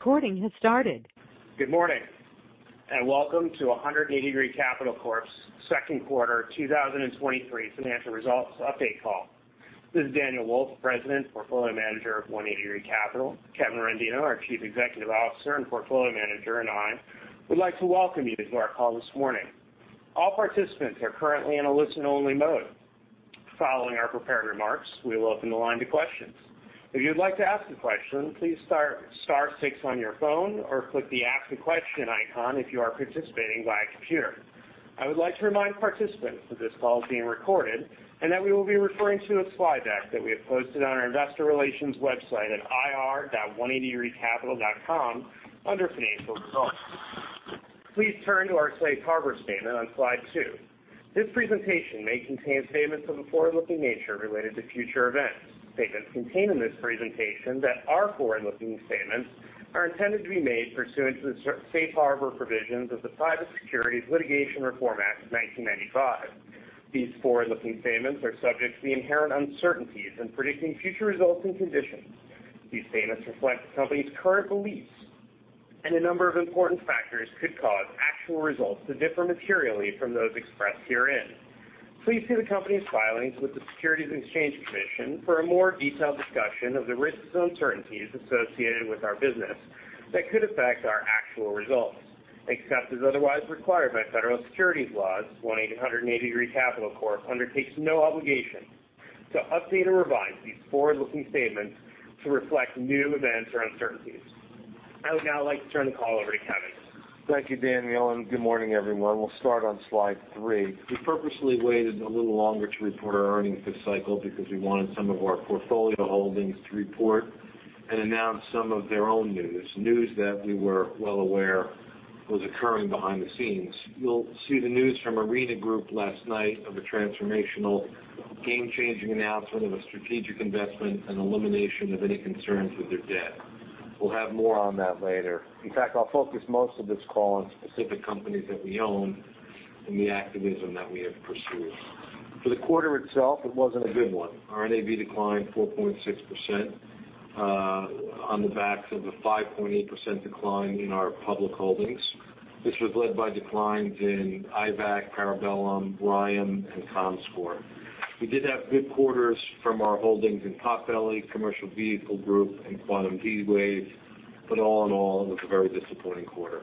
Good morning, and welcome to 180 Degree Capital Corp's Q2 2023 financial results update call. This is Daniel Wolfe, President, Portfolio Manager of 180 Degree Capital. Kevin Rendino, our Chief Executive Officer and Portfolio Manager, I would like to welcome you to our call this morning. All participants are currently in a listen-only mode. Following our prepared remarks, we will open the line to questions. If you'd like to ask a question, please star, star six on your phone or click the Ask a Question icon if you are participating via computer. I would like to remind participants that this call is being recorded and that we will be referring to a slide deck that we have posted on our investor relations website at ir.180degreecapital.com under Financial Results. Please turn to our safe harbor statement on slide two. This presentation may contain statements of a forward-looking nature related to future events. Statements contained in this presentation that are forward-looking statements are intended to be made pursuant to the safe harbor provisions of the Private Securities Litigation Reform Act of 1995. These forward-looking statements are subject to the inherent uncertainties in predicting future results and conditions. These statements reflect the company's current beliefs, and a number of important factors could cause actual results to differ materially from those expressed herein. Please see the company's filings with the Securities and Exchange Commission for a more detailed discussion of the risks and uncertainties associated with our business that could affect our actual results. Except as otherwise required by federal securities laws, 180 Degree Capital Corp undertakes no obligation to update or revise these forward-looking statements to reflect new events or uncertainties. I would now like to turn the call over to Kevin. Thank you, Daniel, and good morning, everyone. We'll start on slide three. We purposely waited a little longer to report our earnings this cycle because we wanted some of our portfolio holdings to report and announce some of their own news, news that we were well aware was occurring behind the scenes. You'll see the news from Arena Group last night of a transformational game-changing announcement of a strategic investment and elimination of any concerns with their debt. We'll have more on that later. In fact, I'll focus most of this call on specific companies that we own and the activism that we have pursued. For the quarter itself, it wasn't a good one. Our NAV declined 4.6% on the backs of a 5.8% decline in our public holdings. This was led by declines in Intevac, Parabellum, Brightcove, and Comscore. We did have good quarters from our holdings in Potbelly, Commercial Vehicle Group, and D-Wave Quantum. All in all, it was a very disappointing quarter.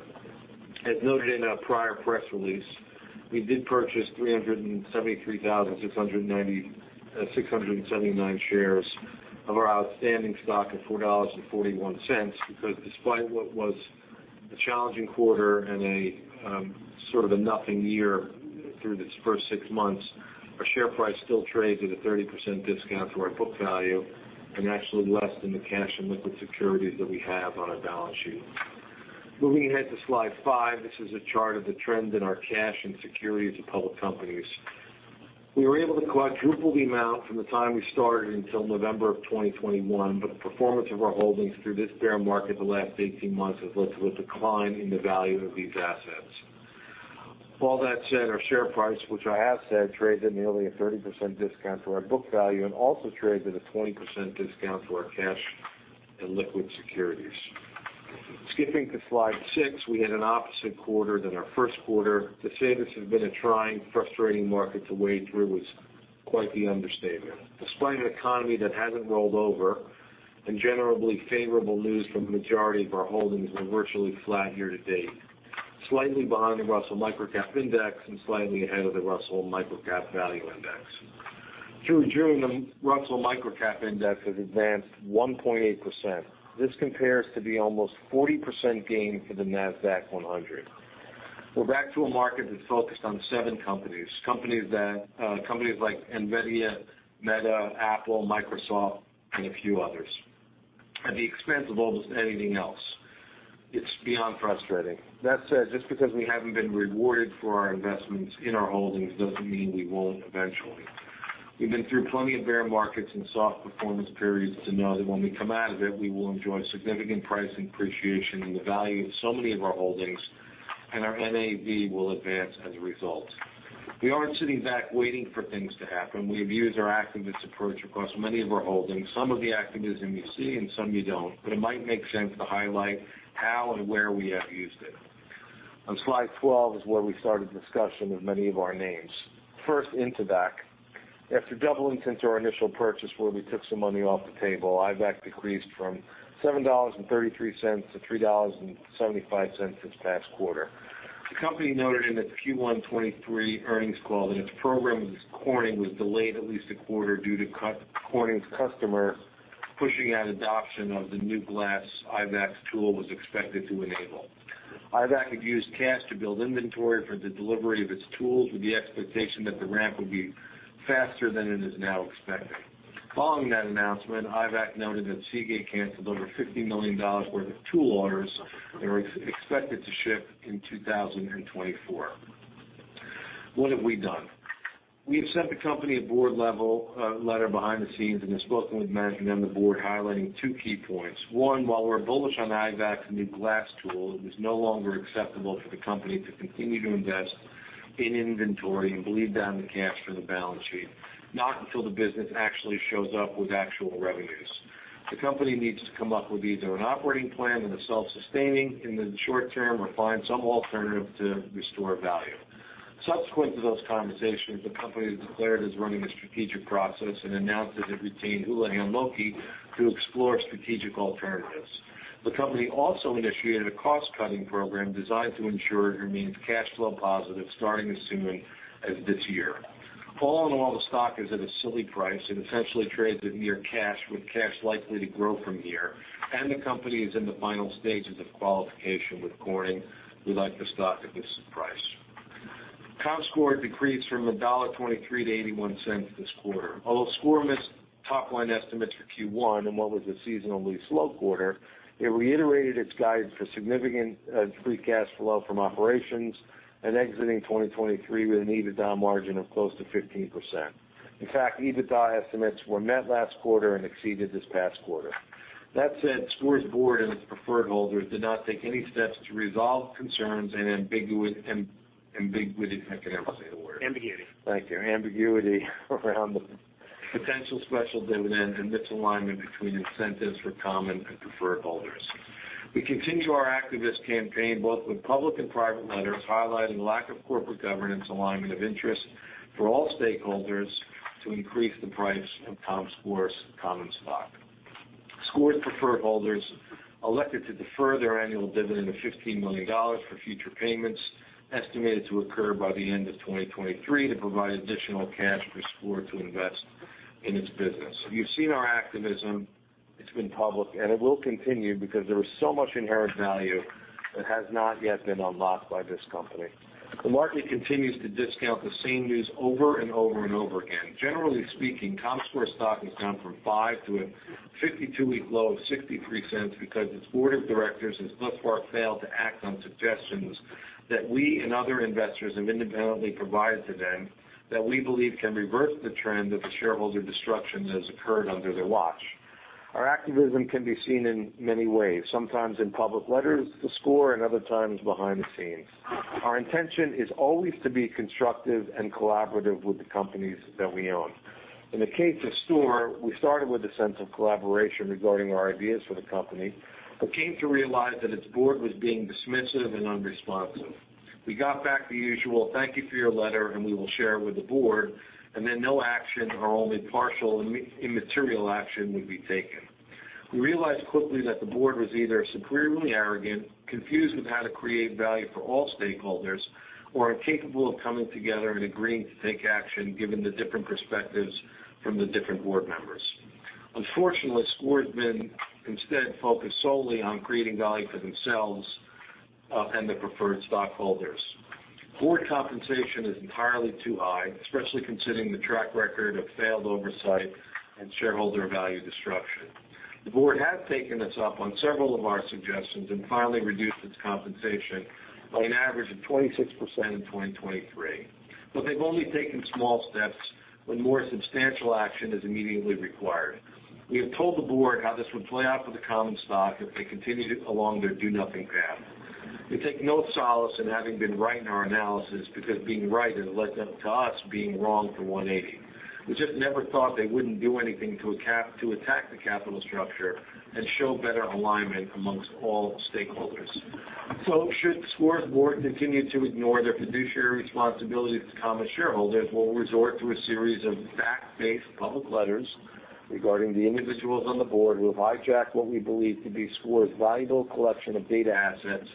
As noted in our prior press release, we did purchase 373,679 shares of our outstanding stock at $4.41, because despite what was a challenging quarter and a sort of a nothing year through this first six months, our share price still trades at a 30% discount to our book value and actually less than the cash and liquid securities that we have on our balance sheet. Moving ahead to slide five. This is a chart of the trend in our cash and securities of public companies. We were able to quadruple the amount from the time we started until November of 2021, but the performance of our holdings through this bear market the last 18 months has led to a decline in the value of these assets. With all that said, our share price, which I have said, trades at nearly a 30% discount to our book value and also trades at a 20% discount to our cash and liquid securities. Skipping to slide six, we had an opposite quarter than our first quarter. To say this has been a trying, frustrating market to wade through is quite the understatement. Despite an economy that hasn't rolled over and generally favorable news from the majority of our holdings, we're virtually flat year to date, slightly behind the Russell Microcap Index and slightly ahead of the Russell Microcap Value Index. Through June, the Russell Microcap Index has advanced 1.8%. This compares to the almost 40% gain for the Nasdaq-100. We're back to a market that's focused on 7 companies, companies that companies like NVIDIA, Meta, Apple, Microsoft, and a few others, at the expense of almost anything else. It's beyond frustrating. That said, just because we haven't been rewarded for our investments in our holdings doesn't mean we won't eventually. We've been through plenty of bear markets and soft performance periods to know that when we come out of it, we will enjoy significant price appreciation in the value of so many of our holdings and our NAV will advance as a result. We aren't sitting back waiting for things to happen. We have used our activist approach across many of our holdings. Some of the activism you see and some you don't. It might make sense to highlight how and where we have used it. On slide 12 is where we start a discussion of many of our names. First, into Intevac. After doubling since our initial purchase, where we took some money off the table, Intevac decreased from $7.33 to $3.75 this past quarter. The company noted in its Q1 2023 earnings call that its program with Corning was delayed at least a quarter due to Corning's customer pushing out adoption of the new glass Intevac's tool was expected to enable. Intevac had used cash to build inventory for the delivery of its tools, with the expectation that the ramp would be faster than it is now expected. Following that announcement, Intevac noted that Seagate canceled over $50 million worth of tool orders that were expected to ship in 2024. What have we done? We have sent the company a board-level letter behind the scenes and have spoken with management and the board, highlighting two key points. One, while we're bullish on Intevac'snew glass tool, it is no longer acceptable for the company to continue to invest in inventory and bleed down the cash from the balance sheet, not until the business actually shows up with actual revenues. The company needs to come up with either an operating plan that is self-sustaining in the short term or find some alternative to restore value. Subsequent to those conversations, the company has declared it is running a strategic process and announced that it retained Houlihan Lokey to explore strategic alternatives. The company also initiated a cost-cutting program designed to ensure it remains cash flow positive, starting as soon as this year. All in all, the stock is at a silly price and essentially trades at near cash, with cash likely to grow from here, and the company is in the final stages of qualification with Corning. We like the stock at this price. Comscore decreased from $1.23 to $0.81 this quarter. Although Score missed top-line estimates for Q1 in what was a seasonally slow quarter, it reiterated its guidance for significant free cash flow from operations and exiting 2023 with an EBITDA margin of close to 15%. In fact, EBITDA estimates were met last quarter and exceeded this past quarter. That said, Score's board and its preferred holders did not take any steps to resolve concerns and ambiguity. I can never say the word. Ambiguity. Thank you. Ambiguity around the potential special dividend and misalignment between incentives for common and preferred holders. We continue our activist campaign, both with public and private letters, highlighting the lack of corporate governance, alignment of interest for all stakeholders to increase the price of Comscore's common stock. Comscore's preferred holders elected to defer their annual dividend of $15 million for future payments, estimated to occur by the end of 2023, to provide additional cash for Comscore to invest in its business. You've seen our activism, it's been public, and it will continue because there is so much inherent value that has not yet been unlocked by this company. The market continues to discount the same news over and over and over again. Generally speaking, Comscore's stock is down from $5 to a 52-week low of $0.63 because its board of directors has thus far failed to act on suggestions that we and other investors have independently provided to them, that we believe can reverse the trend of the shareholder destruction that has occurred under their watch. Our activism can be seen in many ways, sometimes in public letters to Comscore and other times behind the scenes. Our intention is always to be constructive and collaborative with the companies that we own. In the case of Comscore, we started with a sense of collaboration regarding our ideas for the company, came to realize that its board was being dismissive and unresponsive. We got back the usual, "Thank you for your letter, and we will share it with the board," then no action or only partial im- immaterial action would be taken. We realized quickly that the board was either supremely arrogant, confused with how to create value for all stakeholders, or incapable of coming together and agreeing to take action, given the different perspectives from the different board members. Unfortunately, Comscore has been instead focused solely on creating value for themselves, and the preferred stockholders. Board compensation is entirely too high, especially considering the track record of failed oversight and shareholder value destruction. The board has taken us up on several of our suggestions and finally reduced its compensation by an average of 26% in 2023, they've only taken small steps when more substantial action is immediately required. We have told the board how this would play out for the common stock if they continued along their do-nothing path. We take no solace in having been right in our analysis, because being right has led to us being wrong for 180. We just never thought they wouldn't do anything to attack the capital structure and show better alignment amongst all stakeholders. Should Score's board continue to ignore their fiduciary responsibility to common shareholders, we'll resort to a series of fact-based public letters regarding the individuals on the board who have hijacked what we believe to be Score's valuable collection of data assets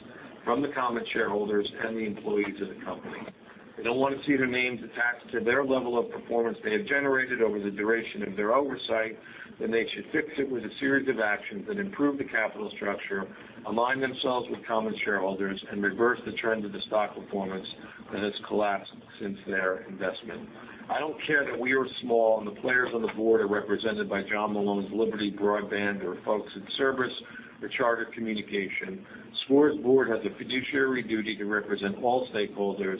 from the common shareholders and the employees of the company. If they don't want to see their names attached to their level of performance they have generated over the duration of their oversight, then they should fix it with a series of actions that improve the capital structure, align themselves with common shareholders, and reverse the trend of the stock performance that has collapsed since their investment. I don't care that we are small and the players on the board are represented by John Malone's Liberty Broadband, or folks at Cerberus, or Charter Communications. Score's board has a fiduciary duty to represent all stakeholders.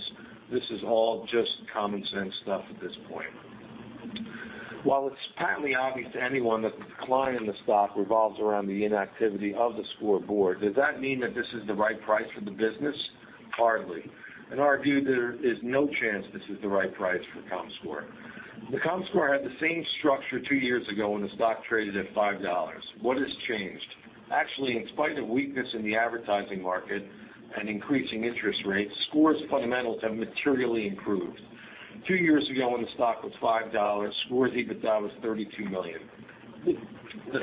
This is all just common sense stuff at this point. While it's patently obvious to anyone that the decline in the stock revolves around the inactivity of the Score board, does that mean that this is the right price for the business? Hardly. In our view, there is no chance this is the right price for comScore. comScore had the same structure two years ago when the stock traded at $5. What has changed? Actually, in spite of weakness in the advertising market and increasing interest rates, comScore's fundamentals have materially improved. Two years ago, when the stock was $5, comScore's EBITDA was $32 million.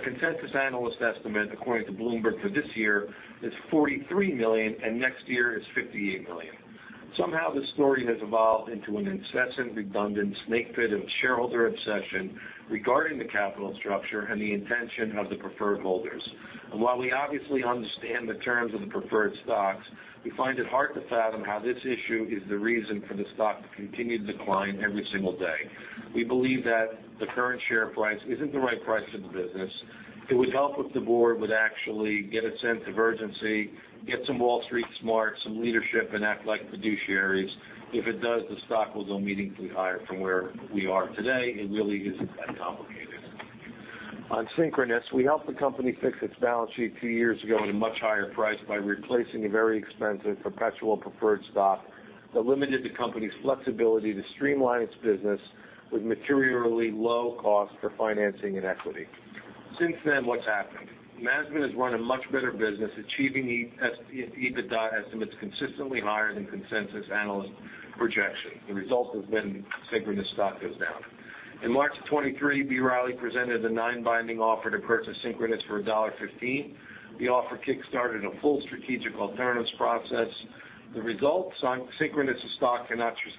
Consensus analyst estimate, according to Bloomberg for this year, is $43 million, and next year is $58 million. Somehow, this story has evolved into an incessant, redundant snake pit of shareholder obsession regarding the capital structure and the intention of the preferred holders. While we obviously understand the terms of the preferred stocks, we find it hard to fathom how this issue is the reason for the stock to continue to decline every single day. We believe that the current share price isn't the right price for the business. It would help if the board would actually get a sense of urgency, get some Wall Street smarts, some leadership, and act like fiduciaries. If it does, the stock will go meaningfully higher from where we are today. It really isn't that complicated.... On Synchronoss, we helped the company fix its balance sheet two years ago at a much higher price by replacing a very expensive perpetual preferred stock that limited the company's flexibility to streamline its business with materially low cost for financing and equity. Since then, what's happened? Management has run a much better business, achieving the EBITDA estimates consistently higher than consensus analyst projections. The result has been Synchronoss stock goes down. In March of 2023, B. Riley presented a non-binding offer to purchase Synchronoss for $1.15. The offer kickstarted a full strategic alternatives process. The results on Synchronoss's stock cannot just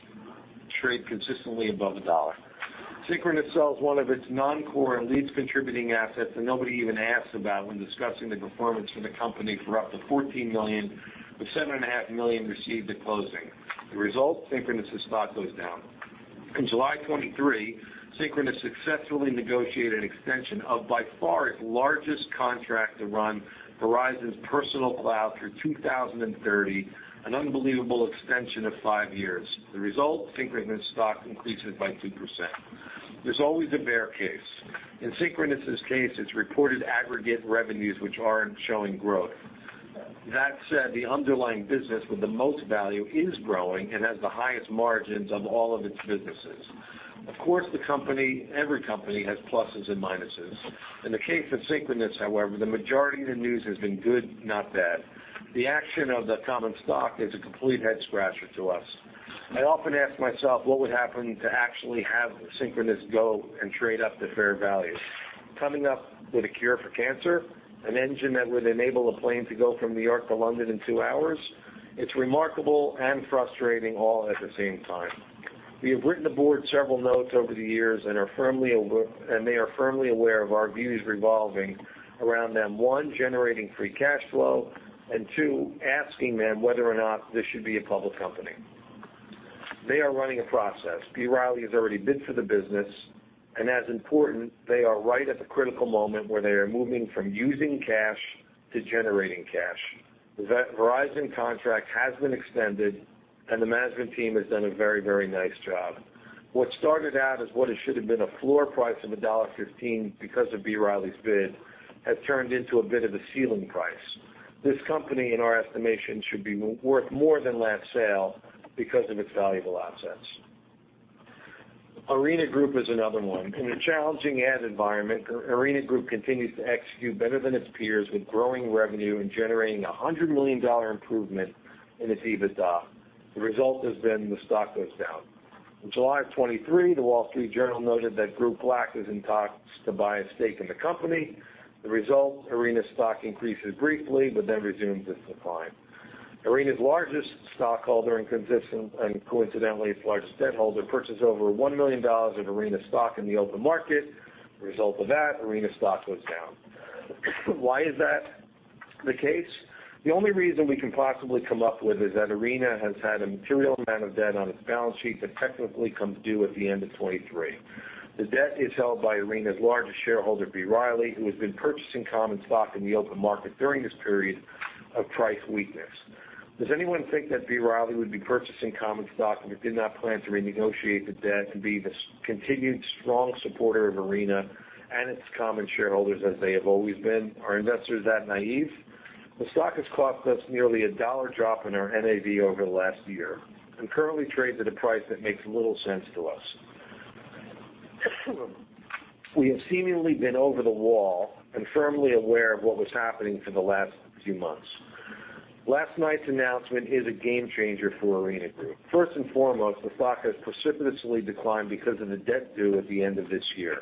trade consistently above $1. Synchronoss sells one of its non-core and least contributing assets that nobody even asks about when discussing the performance from the company for up to $14 million, with $7.5 million received at closing. The result, Synchronoss's stock goes down. In July 2023, Synchronoss successfully negotiated an extension of, by far, its largest contract to run Verizon's Personal Cloud through 2030, an unbelievable extension of five years. The result, Synchronoss stock increases by 2%. There's always a bear case. In Synchronoss's case, it's reported aggregate revenues, which aren't showing growth. That said, the underlying business with the most value is growing and has the highest margins of all of its businesses. Of course, every company has pluses and minuses. In the case of Synchronoss, however, the majority of the news has been good, not bad. The action of the common stock is a complete head-scratcher to us. I often ask myself, what would happen to actually have Synchronoss go and trade up to fair value? Coming up with a cure for cancer, an engine that would enable a plane to go from New York to London in 2 hours. It's remarkable and frustrating all at the same time. We have written the board several notes over the years and they are firmly aware of our views revolving around them. 1, generating free cash flow, and 2, asking them whether or not this should be a public company. They are running a process. B. Riley has already bid for the business, and as important, they are right at the critical moment where they are moving from using cash to generating cash. The Verizon contract has been extended, and the management team has done a very, very nice job. What started out as what it should have been a floor price of $1.15 because of B. Riley's bid, has turned into a bit of a ceiling price. This company, in our estimation, should be worth more than last sale because of its valuable assets. Arena Group is another one. In a challenging ad environment, Arena Group continues to execute better than its peers, with growing revenue and generating a $100 million improvement in its EBITDA. The result has been the stock goes down. In July of 2023, The Wall Street Journal noted that Group Black is in talks to buy a stake in the company. The result, Arena stock increases briefly, but then resumes its decline. Arena's largest stockholder, coincidentally, its largest debt holder, purchased over $1 million of Arena stock in the open market. The result of that, Arena stock goes down. Why is that the case? The only reason we can possibly come up with is that Arena has had a material amount of debt on its balance sheet that technically comes due at the end of 2023. The debt is held by Arena's largest shareholder, B. Riley, who has been purchasing common stock in the open market during this period of price weakness. Does anyone think that B. Riley would be purchasing common stock if it did not plan to renegotiate the debt and be this continued strong supporter of Arena and its common shareholders, as they have always been? Are investors that naive? The stock has cost us nearly a $1 drop in our NAV over the last year and currently trades at a price that makes little sense to us. We have seemingly been over the wall and firmly aware of what was happening for the last few months. Last night's announcement is a game changer for Arena Group. First and foremost, the stock has precipitously declined because of the debt due at the end of this year.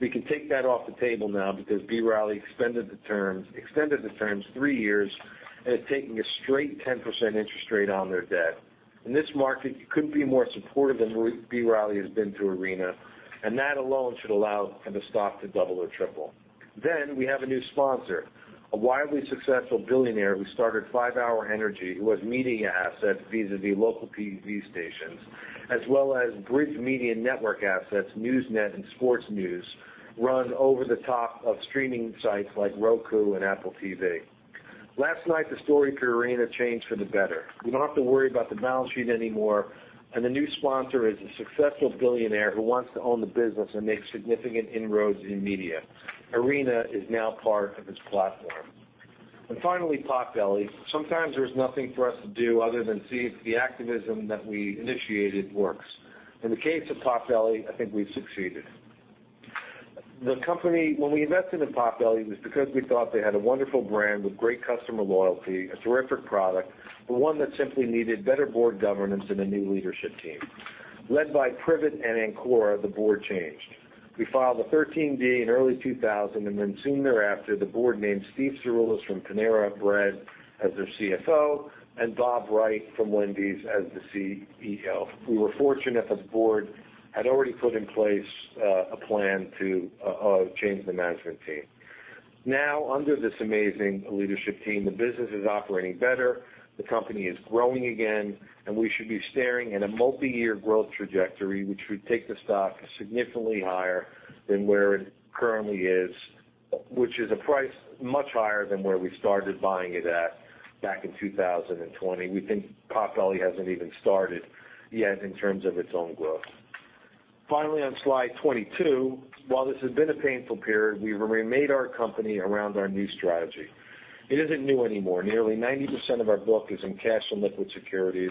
We can take that off the table now because B. Riley extended the terms, extended the terms three years, and is taking a straight 10% interest rate on their debt. In this market, you couldn't be more supportive than B. Riley has been to Arena, that alone should allow for the stock to double or triple. We have a new sponsor, a widely successful billionaire who started five-hour Energy, who has media assets, vis-a-vis local TV stations, as well as Bridge Media Network assets, NewsNet and Sports News, run over the top of streaming sites like Roku and Apple TV. Last night, the story for Arena changed for the better. We don't have to worry about the balance sheet anymore, the new sponsor is a successful billionaire who wants to own the business and make significant inroads in media. Arena is now part of his platform. Finally, Potbelly. Sometimes there's nothing for us to do other than see if the activism that we initiated works. In the case of Potbelly, I think we've succeeded. The company... When we invested in Potbelly, it was because we thought they had a wonderful brand with great customer loyalty, a terrific product, but one that simply needed better board governance and a new leadership team. Led by Privet and Ancora, the board changed. We filed a Schedule 13D in early 2000, then soon thereafter, the board named Steve Cirulis from Panera Bread as their CFO and Bob Wright from Wendy's as the CEO. We were fortunate the board had already put in place a plan to change the management team. Now, under this amazing leadership team, the business is operating better, the company is growing again, and we should be staring at a multi-year growth trajectory, which would take the stock significantly higher than where it currently is.... which is a price much higher than where we started buying it at back in 2020. We think Potbelly hasn't even started yet in terms of its own growth. Finally, on slide 22, while this has been a painful period, we've remade our company around our new strategy. It isn't new anymore. Nearly 90% of our book is in cash and liquid securities.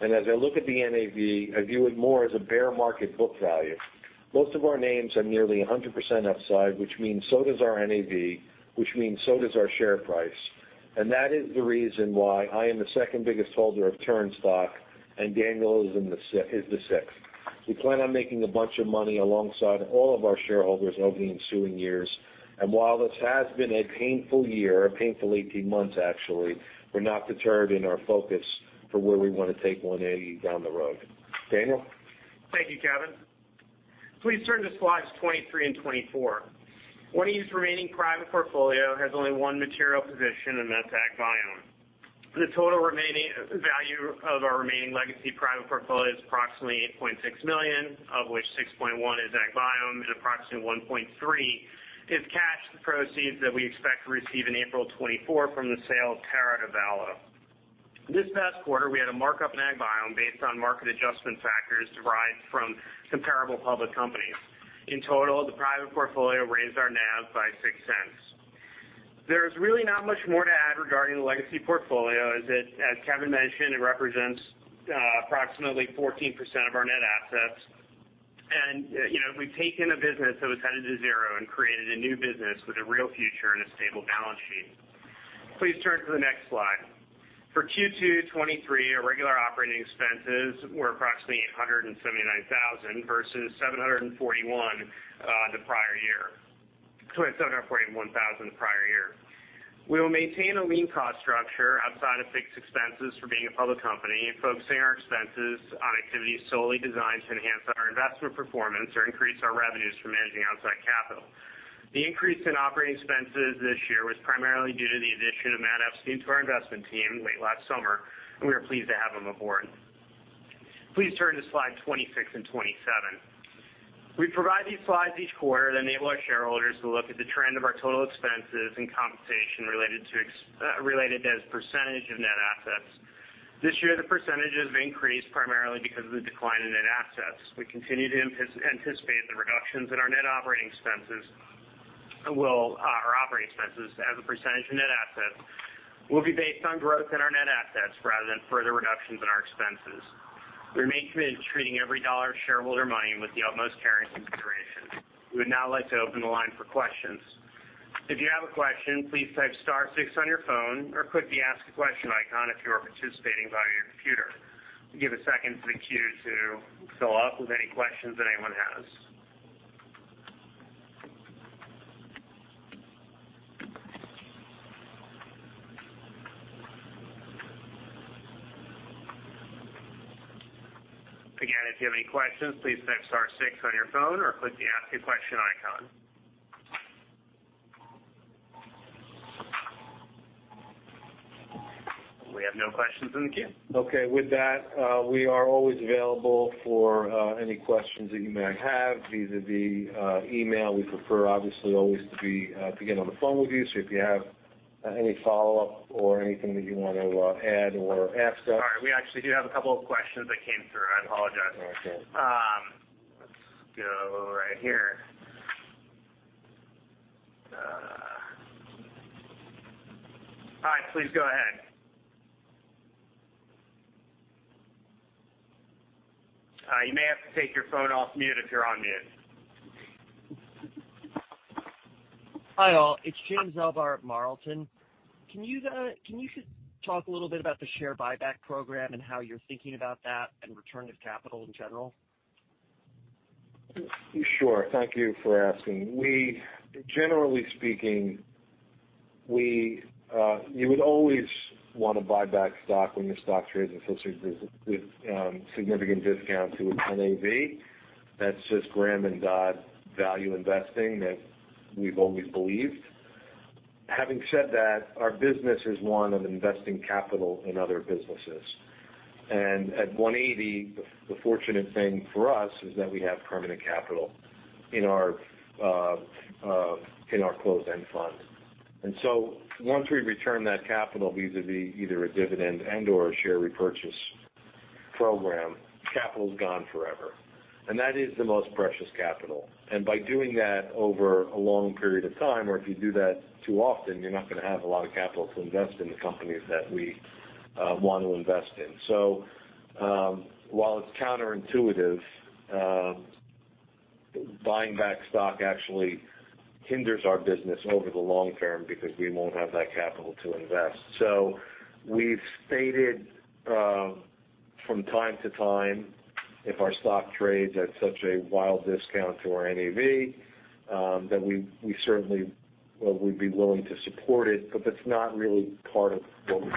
As I look at the NAV, I view it more as a bear market book value. Most of our names are nearly 100% upside, which means so does our NAV, which means so does our share price. That is the reason why I am the second biggest holder of TURN stock, and Daniel is the sixth. We plan on making a bunch of money alongside all of our shareholders over the ensuing years. While this has been a painful year, a painful 18 months actually, we're not deterred in our focus for where we want to take 180 Degree Capital down the road. Daniel? Thank you, Kevin. Please turn to slides 23 and 24. OneEighty's remaining private portfolio has only one material position in AgBiome. The total remaining value of our remaining legacy private portfolio is approximately $8.6 million, of which $6.1 million is AgBiome, and approximately $1.3 million is cash, the proceeds that we expect to receive in April of 2024 from the sale of TerraDevalo. This past quarter, we had a markup in AgBiome based on market adjustment factors derived from comparable public companies. In total, the private portfolio raised our NAV by $0.06. There's really not much more to add regarding the legacy portfolio, as it, as Kevin mentioned, it represents approximately 14% of our net assets. You know, we've taken a business that was headed to zero and created a new business with a real future and a stable balance sheet. Please turn to the next slide. For Q2 2023, our regular operating expenses were approximately $879,000 versus $741,000, the prior year- sorry, $741,000 the prior year. We will maintain a lean cost structure outside of fixed expenses for being a public company, focusing our expenses on activities solely designed to enhance our investment performance or increase our revenues from managing outside capital. The increase in operating expenses this year was primarily due to the addition of Matt Epstein to our investment team late last summer, and we are pleased to have him aboard. Please turn to slide 26 and 27. We provide these slides each quarter that enable our shareholders to look at the trend of our total expenses and compensation related to ex- related as a percentage of net assets. This year, the percentages increased primarily because of the decline in net assets. We continue to anticipate the reductions in our net operating expenses will, our operating expenses as a percentage of net assets, will be based on growth in our net assets rather than further reductions in our expenses. We remain committed to treating every dollar of shareholder money with the utmost care and consideration. We would now like to open the line for questions. If you have a question, please type star six on your phone, or click the Ask a Question icon if you are participating via your computer. We'll give a second for the queue to fill up with any questions that anyone has. Again, if you have any questions, please type star six on your phone or click the Ask a Question icon. We have no questions in the queue. Okay. With that, we are always available for any questions that you may have vis-a-vis email. We prefer, obviously, always to be to get on the phone with you. If you have any follow-up or anything that you want to add or ask us. Sorry, we actually do have a couple of questions that came through. I apologize. Okay. Let's go right here. Hi, please go ahead. You may have to take your phone off mute if you're on mute. Hi, all. It's James Elbaor at Marlton. Can you, can you just talk a little bit about the share buyback program and how you're thinking about that and return of capital in general? Sure. Thank you for asking. We generally speaking, we, you would always want to buy back stock when your stock trades at associated with, significant discount to its NAV. That's just Graham and Dodd value investing that we've always believed. Having said that, our business is one of investing capital in other businesses. At 180, the, the fortunate thing for us is that we have permanent capital in our, in our closed-end fund. Once we return that capital vis-a-vis either a dividend and/or a share repurchase program, capital's gone forever, and that is the most precious capital. By doing that over a long period of time, or if you do that too often, you're not going to have a lot of capital to invest in the companies that we, want to invest in. While it's counterintuitive, buying back stock actually hinders our business over the long term because we won't have that capital to invest. We've stated, from time to time, if our stock trades at such a wild discount to our NAV, that we, we certainly, well, we'd be willing to support it, but that's not really part of what we.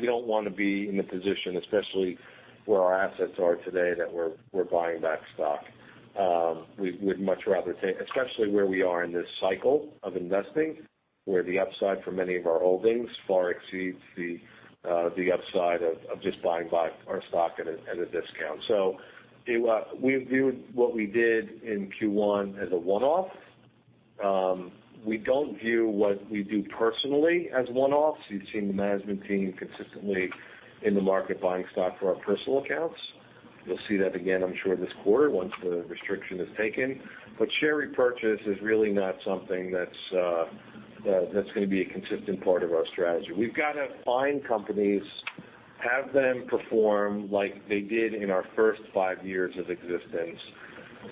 We don't want to be in the position, especially where our assets are today, that we're, we're buying back stock. We'd, we'd much rather take especially where we are in this cycle of investing. Where the upside for many of our holdings far exceeds the upside of, of just buying back our stock at a, at a discount. It, we viewed what we did in Q1 as a one-off. We don't view what we do personally as one-offs. You've seen the management team consistently in the market buying stock for our personal accounts. You'll see that again, I'm sure, this quarter once the restriction is taken. Share repurchase is really not something that's, that's gonna be a consistent part of our strategy. We've got to find companies, have them perform like they did in our first five years of existence,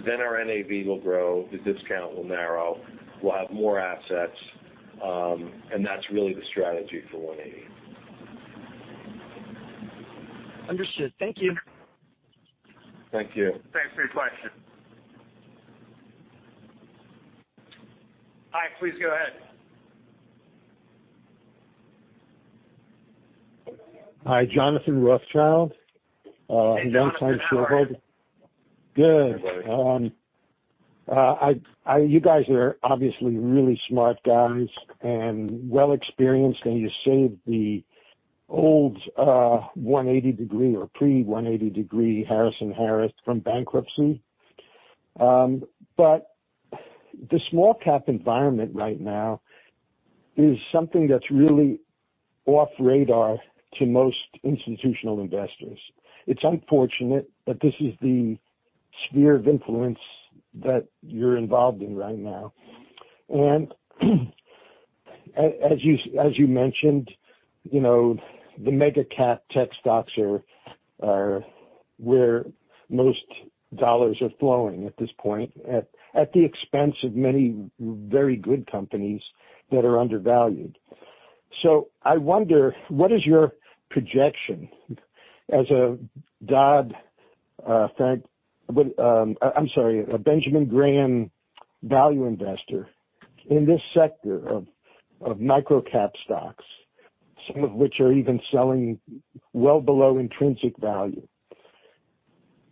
then our NAV will grow, the discount will narrow, we'll have more assets. That's really the strategy for 180. Understood. Thank you. Thank you. Thanks for your question. Hi, please go ahead. Hi, Jonathan Rothschild, Downside Shareholder. Hey, Jonathan, how are you? Good. Hey. I, I-- you guys are obviously really smart guys and well experienced, and you saved the old 180 Degree Capital or pre-180 Degree Capital Harris & Harris Group from bankruptcy. The small cap environment right now is something that's really off radar to most institutional investors. It's unfortunate that this is the sphere of influence that you're involved in right now. As you, as you mentioned, you know, the mega cap tech stocks are where most dollars are flowing at this point, at the expense of many very good companies that are undervalued. I wonder, what is your projection as a Dodd-Frank... I'm sorry, a Benjamin Graham value investor in this sector of microcap stocks, some of which are even selling well below intrinsic value?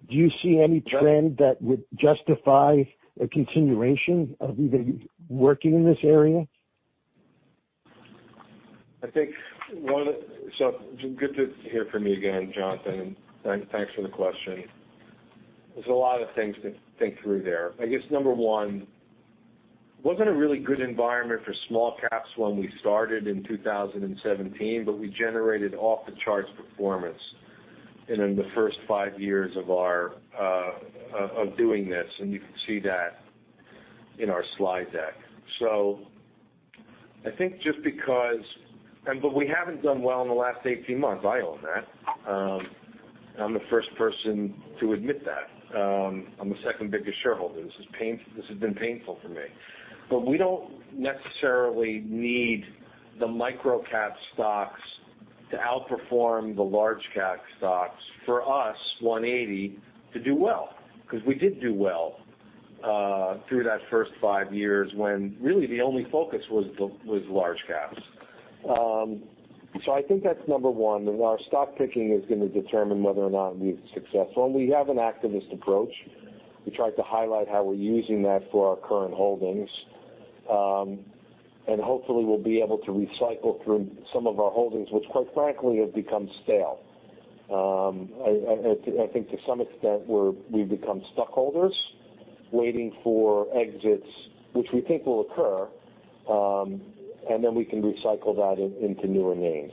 Do you see any trend that would justify a continuation of you guys working in this area? I think so good to hear from you again, Jonathan, and thanks for the question. There's a lot of things to think through there. I guess, number 1, it wasn't a really good environment for small caps when we started in 2017, but we generated off-the-charts performance and in the first five years of our of doing this, and you can see that in our slide deck. I think And but we haven't done well in the last 18 months. I own that. I'm the first person to admit that. I'm the second biggest shareholder. This is this has been painful for me. We don't necessarily need the microcap stocks to outperform the large cap stocks for us, 180, to do well, 'cause we did do well, through that first five years, when really the only focus was large caps. I think that's number 1, and our stock picking is going to determine whether or not we're successful. We have an activist approach. We tried to highlight how we're using that for our current holdings. Hopefully, we'll be able to recycle through some of our holdings, which, quite frankly, have become stale. I, I, I think to some extent, we've become stockholders waiting for exits, which we think will occur, and then we can recycle that into newer names.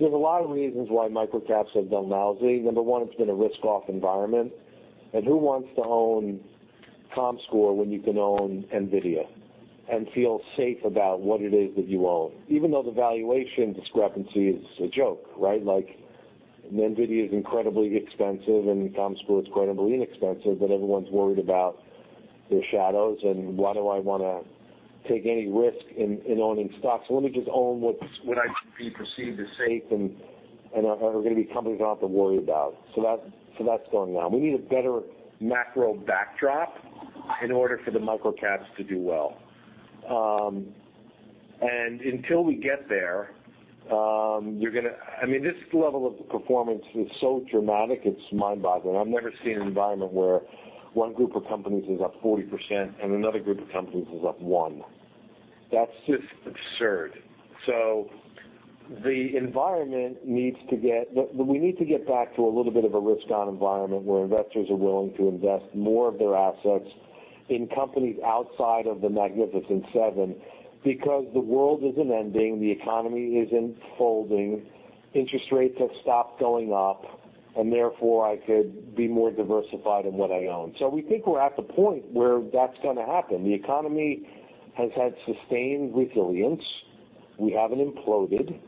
There's a lot of reasons why microcaps have done lousy. Number 1, it's been a risk-off environment. Who wants to own comScore when you can own NVIDIA and feel safe about what it is that you own? Even though the valuation discrepancy is a joke, right? Like, NVIDIA is incredibly expensive, and comScore is quite unbelievable inexpensive, but everyone's worried about their shadows. Why do I want to take any risk in, in owning stocks? Let me just own what's what I can be perceived as safe and, and are gonna be companies I don't have to worry about. That, so that's going on. We need a better macro backdrop in order for the microcaps to do well. Until we get there, you're gonna I mean, this level of performance is so dramatic, it's mind-boggling. I've never seen an environment where one group of companies is up 40% and another group of companies is up 1%. That's just absurd. The environment needs to get. We need to get back to a little bit of a risk-on environment, where investors are willing to invest more of their assets in companies outside of the Magnificent Seven. The world isn't ending, the economy isn't folding, interest rates have stopped going up, and therefore, I could be more diversified in what I own. We think we're at the point where that's gonna happen. The economy has had sustained resilience. We haven't imploded.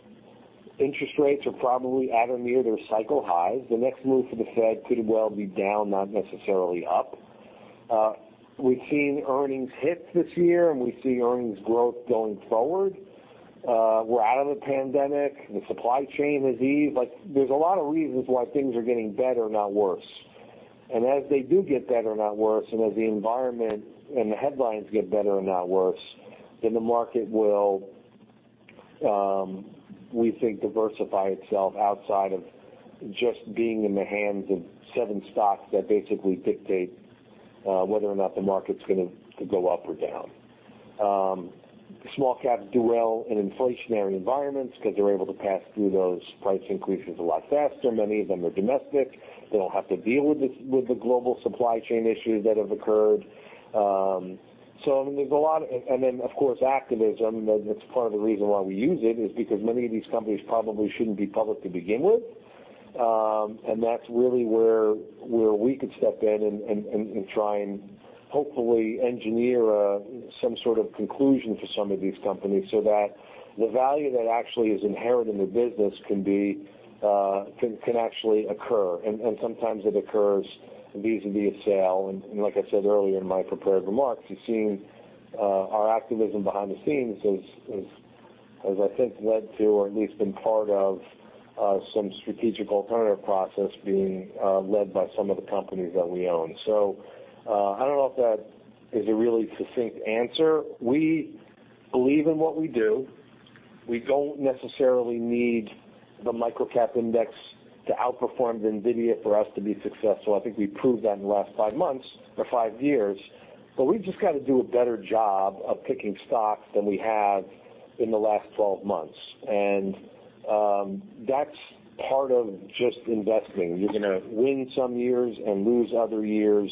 Interest rates are probably at or near their cycle highs. The next move for the Fed could well be down, not necessarily up. We've seen earnings hit this year, and we see earnings growth going forward. We're out of the pandemic. The supply chain is easy. Like, there's a lot of reasons why things are getting better, not worse. As they do get better, not worse, and as the environment and the headlines get better and not worse, the market will. We think diversify itself outside of just being in the hands of seven stocks that basically dictate whether or not the market's gonna go up or down. Small caps do well in inflationary environments because they're able to pass through those price increases a lot faster. Many of them are domestic. They don't have to deal with the global supply chain issues that have occurred. I mean, there's a lot. And then, of course, activism, that's part of the reason why we use it, is because many of these companies probably shouldn't be public to begin with. That's really where, where we could step in and, and, and try and hopefully engineer some sort of conclusion for some of these companies so that the value that actually is inherent in the business can be, can, can actually occur. Sometimes it occurs vis-à-vis a sale. Like I said earlier in my prepared remarks, you've seen, our activism behind the scenes has, has, has, I think, led to or at least been part of, some strategic alternative process being led by some of the companies that we own. I don't know if that is a really succinct answer. We believe in what we do. We don't necessarily need the microcap index to outperform the NVIDIA for us to be successful. I think we proved that in the last 5 months or five years, but we've just got to do a better job of picking stocks than we have in the last 12 months. That's part of just investing. You're gonna win some years and lose other years.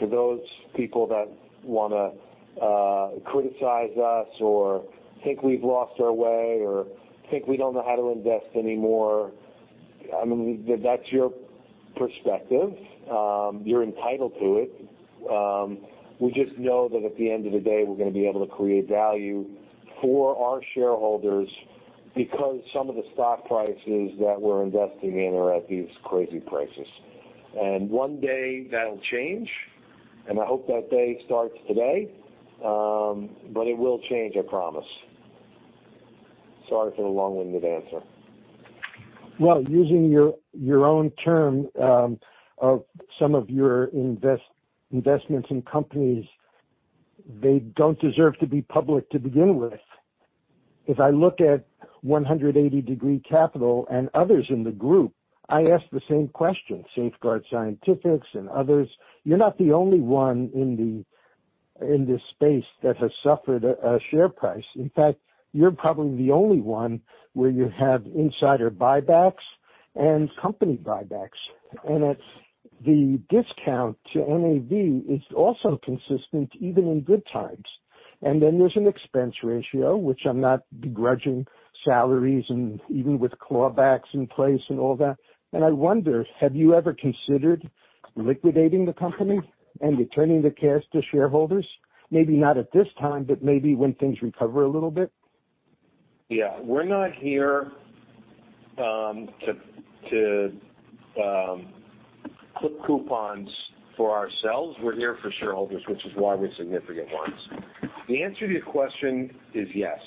For those people that want to criticize us or think we've lost our way or think we don't know how to invest anymore, I mean, that's your perspective. You're entitled to it. We just know that at the end of the day, we're gonna be able to create value for our shareholders because some of the stock prices that we're investing in are at these crazy prices. One day that'll change, and I hope that day starts today, but it will change, I promise. Sorry for the long-winded answer. Well, using your, your own term, of some of your investments in companies, they don't deserve to be public to begin with. If I look at 180 Degree Capital and others in the group, I ask the same question, Safeguard Scientifics and others. You're not the only one in the, in this space that has suffered a, a share price. In fact, you're probably the only one where you have insider buybacks and company buybacks, and it's the discount to NAV is also consistent, even in good times. Then there's an expense ratio, which I'm not begrudging salaries and even with clawbacks in place and all that. I wonder, have you ever considered liquidating the company and returning the cash to shareholders? Maybe not at this time, but maybe when things recover a little bit. Yeah. We're not here to, to clip coupons for ourselves. We're here for shareholders, which is why we're significant ones. The answer to your question is yes.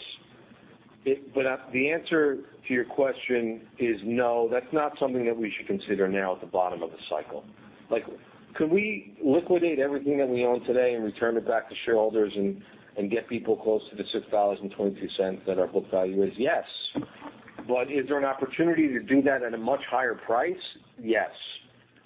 The answer to your question is no, that's not something that we should consider now at the bottom of the cycle. Like, could we liquidate everything that we own today and return it back to shareholders and, and get people close to the $6.22 that our book value is? Yes. Is there an opportunity to do that at a much higher price? Yes.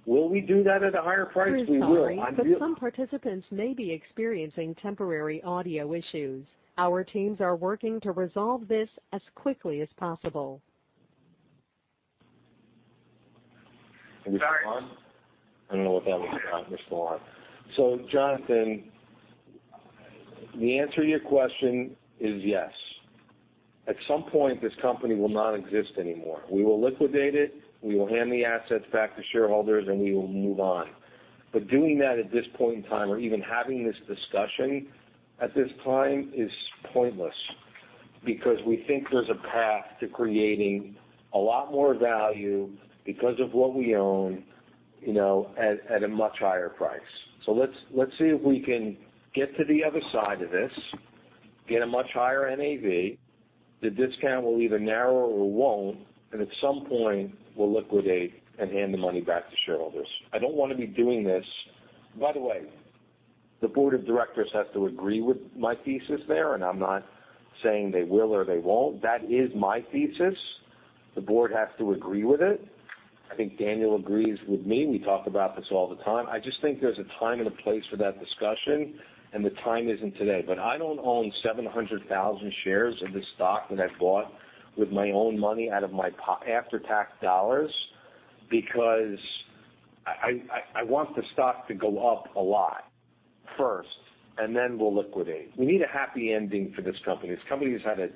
Will we do that at a higher price? We will. We're sorry, but some participants may be experiencing temporary audio issues. Our teams are working to resolve this as quickly as possible. Are we on? I don't know what that was about. We're still on. Jonathan, the answer to your question is yes. At some point, this company will not exist anymore. We will liquidate it, we will hand the assets back to shareholders, and we will move on. Doing that at this point in time, or even having this discussion at this time, is pointless because we think there's a path to creating a lot more value because of what we own, you know, at a much higher price. Let's see if we can get to the other side of this, get a much higher NAV. The discount will either narrow or won't, and at some point, we'll liquidate and hand the money back to shareholders. I don't want to be doing this... By the way, the board of directors has to agree with my thesis there, and I'm not saying they will or they won't. That is my thesis. The board has to agree with it. I think Daniel agrees with me. We talk about this all the time. I just think there's a time and a place for that discussion, and the time isn't today. I don't own 700,000 shares of this stock that I bought with my own money out of my after-tax dollars, because I want the stock to go up a lot first, and then we'll liquidate. We need a happy ending for this company. This company has had a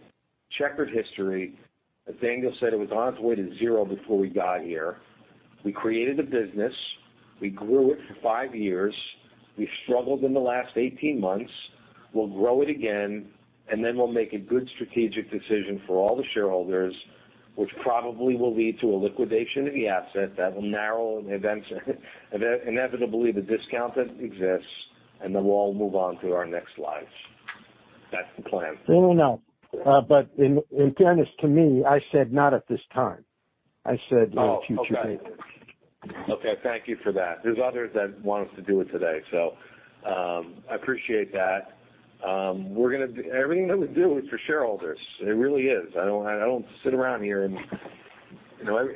checkered history. As Daniel said, it was on its way to zero before we got here. We created a business, we grew it for five years. We struggled in the last 18 months. We'll grow it again, and then we'll make a good strategic decision for all the shareholders, which probably will lead to a liquidation of the asset. That will narrow and events, inevitably the discount that exists, and then we'll all move on to our next lives. That's the plan. No, no, no. In, in fairness to me, I said, not at this time. I said in the future. Okay, thank you for that. There's others that want us to do it today, so, I appreciate that. We're gonna do-- everything that we do is for shareholders. It really is. I don't, I don't sit around here and, you know,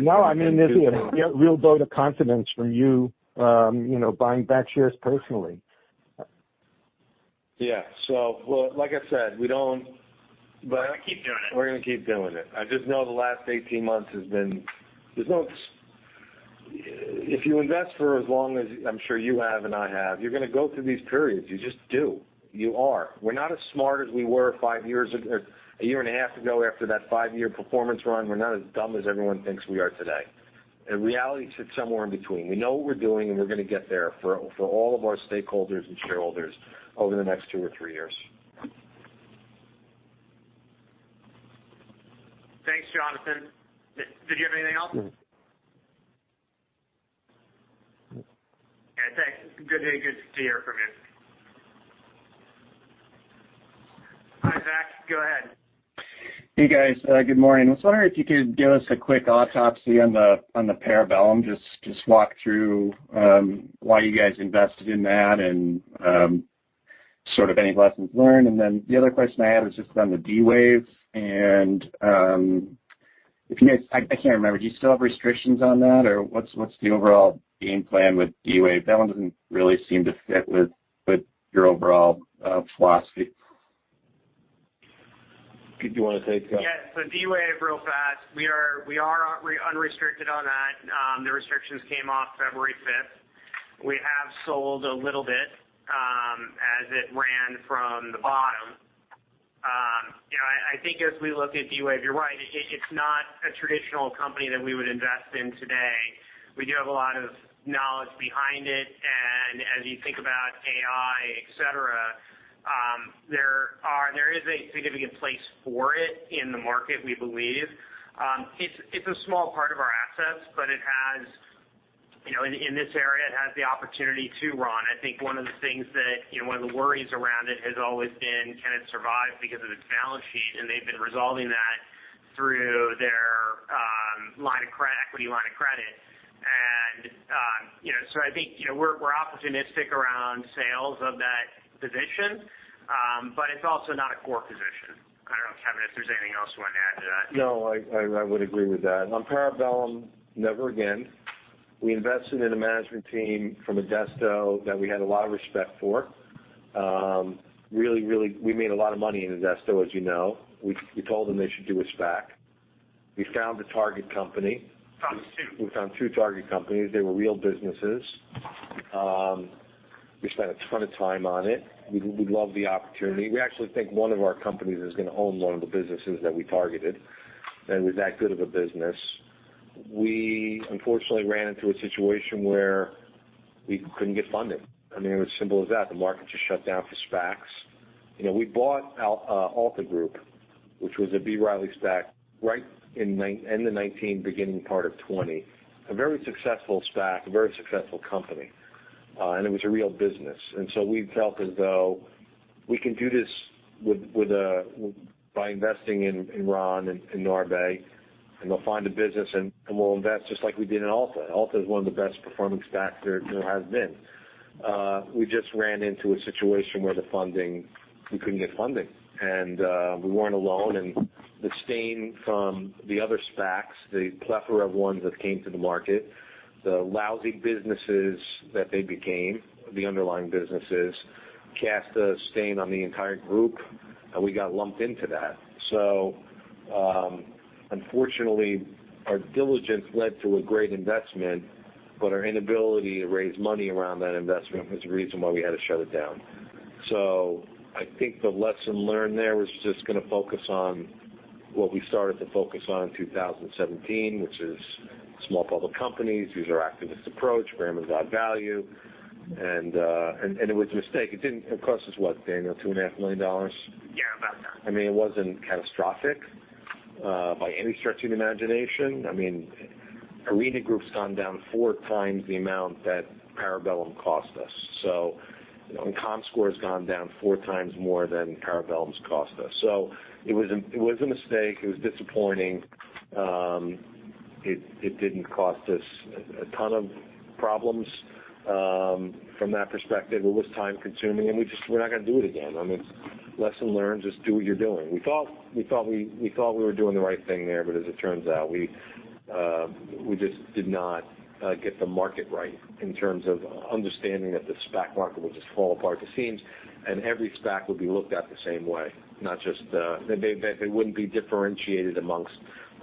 No, I mean, this is a real vote of confidence from you, you know, buying back shares personally. Yeah. well, like I said, we don't- We're gonna keep doing it. We're gonna keep doing it. I just know the last 18 months has been. If you invest for as long as I'm sure you have, and I have, you're gonna go through these periods. You just do. You are. We're not as smart as we were five years or a year and a half ago after that five-year performance run. We're not as dumb as everyone thinks we are today. Reality sits somewhere in between. We know what we're doing, and we're gonna get there for, for all of our stakeholders and shareholders over the next two or three years. Thanks, Jonathan. Did you have anything else? No. Okay, thanks. Good to, good to hear from you. Hi, Zach, go ahead. Hey, guys, good morning. I was wondering if you could give us a quick autopsy on the Parabellum. Just walk through, why you guys invested in that and, sort of any lessons learned. The other question I had was just on the D-Wave, and, if you guys... I can't remember, do you still have restrictions on that, or what's, what's the overall game plan with D-Wave? That one doesn't really seem to fit with, with your overall philosophy. Do you want to take that? Yeah, so D-Wave, real fast. We are unrestricted on that. The restrictions came off February fifth. We have sold a little bit, as it ran from the bottom. You know, I, I think as we look at D-Wave, you're right, it, it's not a traditional company that we would invest in today. We do have a lot of knowledge behind it, and as you think about AI, et cetera, there is a significant place for it in the market, we believe. It's, it's a small part of our assets, but it has, you know, in, in this area, it has the opportunity to run. I think one of the things that, you know, one of the worries around it has always been, can it survive because of its balance sheet? They've been resolving that through their equity line of credit. You know, so I think, you know, we're, we're opportunistic around sales of that position, but it's also not a core position. I don't know, Kevin, if there's anything else you want to add to that? No, I, I, I would agree with that. On Parabellum, never again. We invested in a management team from Adesto that we had a lot of respect for. We made a lot of money in Adesto, as you know. We told them they should do a SPAC. We found a target company. Found two. We found two target companies. They were real businesses. We spent a ton of time on it. We, we love the opportunity. We actually think one of our companies is gonna own one of the businesses that we targeted, and it was that good of a business. We unfortunately ran into a situation where we couldn't get funding. I mean, it was simple as that. The market just shut down for SPACs. You know, we bought Alta Group, which was a B. Riley SPAC, right in end of 2019, beginning part of 2020. A very successful SPAC, a very successful company, and it was a real business. So we felt as though we can do this by investing in, in Ron and Narbeh, and they'll find a business, and, and we'll invest just like we did in Alta. Alta is one of the best performing SPACs there has been. We just ran into a situation where the funding, we couldn't get funding. We weren't alone, and the stain from the other SPACs, the plethora of ones that came to the market, the lousy businesses that they became, the underlying businesses, cast a stain on the entire group, and we got lumped into that. Unfortunately, our diligence led to a great investment, but our inability to raise money around that investment was the reason why we had to shut it down. I think the lesson learned there was just gonna focus on what we started to focus on in 2017, which is small public companies, user activist approach, Graham and Dodd value. It was a mistake. It cost us, what, Daniel, $2.5 million? Yeah, about that. I mean, it wasn't catastrophic by any stretch of the imagination. I mean, The Arena Group's gone down 4 times the amount that Parabellum cost us. You know, and comScore has gone down 4 times more than Parabellum's cost us. It was a, it was a mistake. It was disappointing. It, it didn't cost us a ton of problems from that perspective. It was time-consuming, and we just, we're not gonna do it again. I mean, lesson learned, just do what you're doing. We thought, we thought we, we thought we were doing the right thing there, but as it turns out, we just did not get the market right in terms of understanding that the SPAC market would just fall apart at the seams, and every SPAC would be looked at the same way, not just. They, they, they wouldn't be differentiated amongst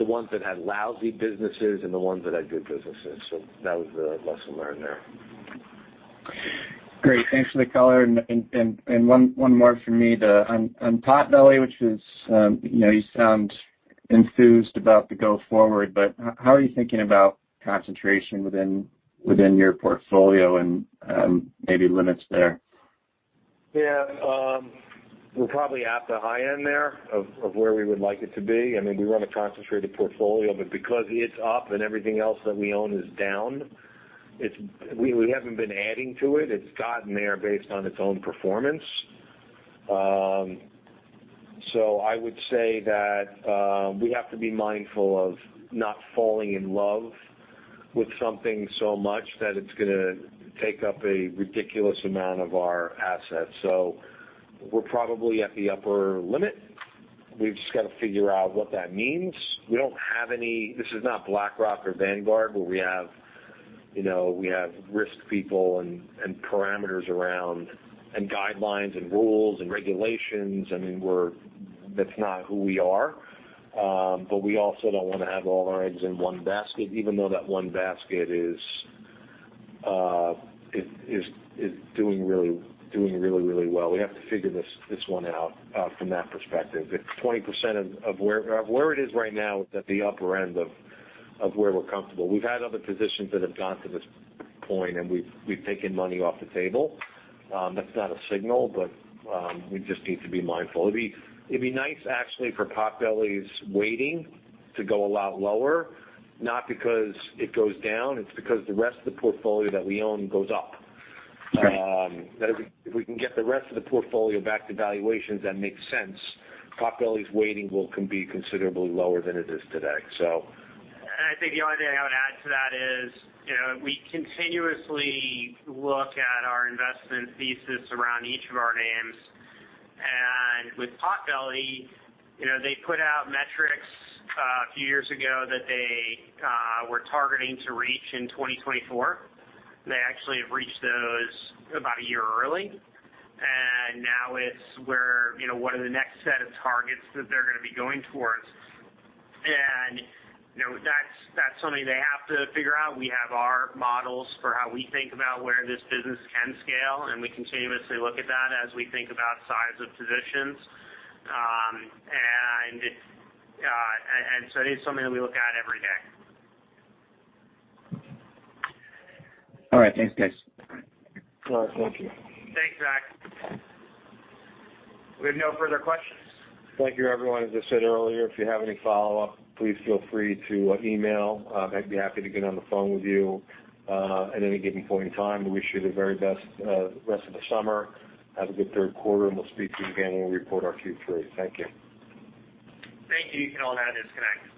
the ones that had lousy businesses and the ones that had good businesses. That was the lesson learned there. Great. Thanks for the color. 1 more from me. On Potbelly, which is, you know, you sound enthused about the go forward, but how are you thinking about concentration within, within your portfolio and maybe limits there? Yeah, we're probably at the high end there of, of where we would like it to be. I mean, we run a concentrated portfolio, because it's up and everything else that we own is down, we haven't been adding to it. It's gotten there based on its own performance. I would say that we have to be mindful of not falling in love with something so much that it's gonna take up a ridiculous amount of our assets. We're probably at the upper limit. We've just got to figure out what that means. We don't have any. This is not BlackRock or Vanguard, where we have, you know, we have risk people and, and parameters around, and guidelines and rules and regulations. I mean, that's not who we are. We also don't want to have all our eggs in one basket, even though that one basket is, is, is doing really, doing really, really well. We have to figure this, this one out from that perspective. If 20% of, of where, where it is right now is at the upper end of, of where we're comfortable. We've had other positions that have gone to this point, and we've, we've taken money off the table. That's not a signal, we just need to be mindful. It'd be, it'd be nice actually, for Potbelly's weighting to go a lot lower, not because it goes down, it's because the rest of the portfolio that we own goes up. Right. That if we, if we can get the rest of the portfolio back to valuations, that makes sense, Potbelly's weighting will be considerably lower than it is today, so. I think the only thing I would add to that is, you know, we continuously look at our investment thesis around each of our names. With Potbelly, you know, they put out metrics, a few years ago that they, were targeting to reach in 2024. They actually have reached those about a year early, and now it's where, you know, what are the next set of targets that they're gonna be going towards? You know, that's, that's something they have to figure out. We have our models for how we think about where this business can scale, and we continuously look at that as we think about size of positions. So it is something that we look at every day. All right, thanks, guys. All right, thank you. Thanks, Zach. We have no further questions. Thank you, everyone. As I said earlier, if you have any follow-up, please feel free to email. I'd be happy to get on the phone with you at any given point in time. We wish you the very best rest of the summer. Have a good Q3, and we'll speak to you again when we report our Q3. Thank you. Thank you. You can all now disconnect.